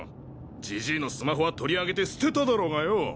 ジジイのスマホは取り上げて捨てただろがよ！